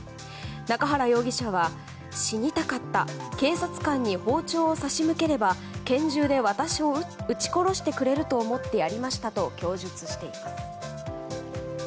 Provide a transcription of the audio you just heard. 中原容疑者は死にたかった警察官に包丁を差し向ければ拳銃で私を撃ち殺してくれると思ってやりましたと供述しています。